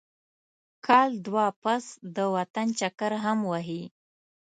کال دوه پس د وطن چکر هم وهي.